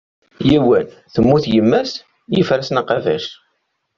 Yiwen, temmut yemma-s, yeffer-asen aqabac.